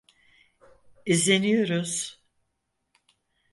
İzleniyoruz.